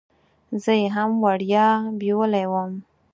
زه یې هم وړیا بیولې وم.